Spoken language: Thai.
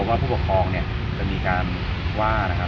กว่าผู้ประคองจะมีการว่า